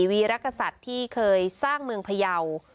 วีรกษัตริย์ที่เคยสร้างเมืองพยาว